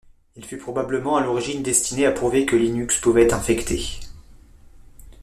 Il fut probablement à l'origine destiné à prouver que Linux pouvait être infecté.